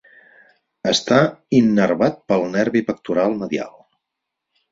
Està innervat pel nervi pectoral medial.